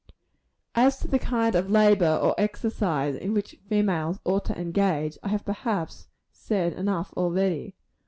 As to the kind of labor or exercise in which females ought to engage, I have perhaps said enough already.